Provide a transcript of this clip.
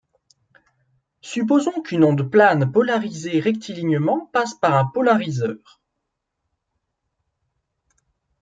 Supposons qu'une onde plane polarisée rectilignement passe par un polariseur.